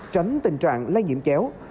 tránh tình trạng lây nhiễm chéo